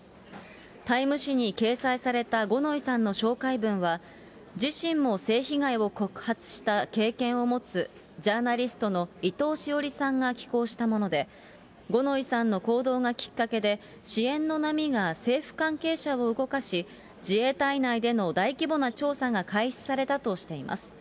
タイム誌に掲載された五ノ井さんの紹介文は、自身も性被害を告発した経験を持つジャーナリストの伊藤詩織さんが寄稿したもので、五ノ井さんの行動がきっかけで、支援の波が政府関係者を動かし、自衛隊内での大規模な調査が開始されたとしています。